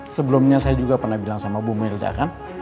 sebelumnya saya juga pernah bilang sama bu merda kan